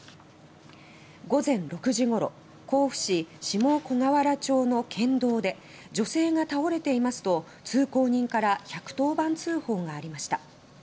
午前６時ごろ甲府市下小河原町の県道で女性が倒れていますと通行人から１１０番通報がありました。